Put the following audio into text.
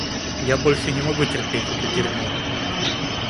Я больше не могу терпеть это дерьмо.